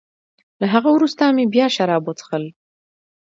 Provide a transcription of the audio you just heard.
له هغه وروسته مې بیا شراب وڅېښل.